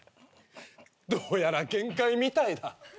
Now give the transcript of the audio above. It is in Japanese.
どうやら限界みたいだ。